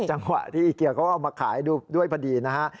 จังหวะที่เกียร์เขาเอามาขายด้วยพอดีนะฮะ